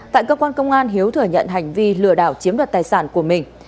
tại cơ quan công an hiếu thừa nhận hành vi lừa đảo chiếm đoạt tài sản của mình